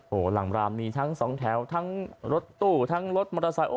โอ้โหหลังรามมีทั้งสองแถวทั้งรถตู้ทั้งรถมอเตอร์ไซค์